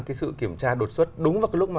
cái sự kiểm tra đột xuất đúng vào cái lúc mà